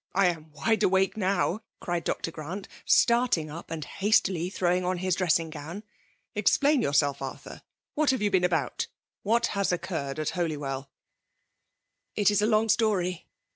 '' I am wide awake now !", cried Dr. Grant, starting up and hastily throwing on his dress ing gown. '' Explain yourself,. Arthur. What have you been about? Whaihas occuzred at HolyweU?" '' It is a long story.